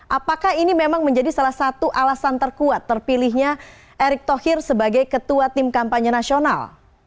apakah ini memang menjadi salah satu alasan terkuat terpilihnya erick thohir sebagai ketua tim kampanye nasional